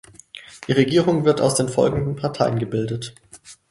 Die Regierung wird aus den folgenden Parteien gebildet.